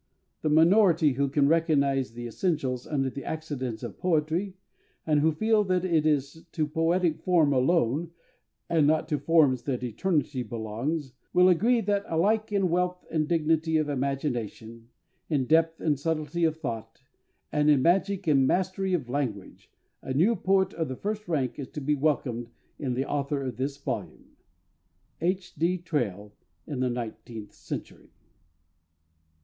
That minority who can recognize the essentials under the accidents of poetry, and who feel that it is to poetic Form alone, and not to forms, that eternity belongs, will agree that, alike in wealth and dignity of imagination, in depth and subtlety of thought, and in magic and mastery of language, a new poet of the first rank is to be welcomed in the author of this volume. H. D. TRAILL, in The Nineteenth Century.